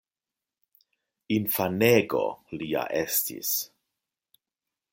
Infanego li ja estis.